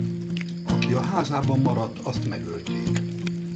Aki a házában maradt azt megölték.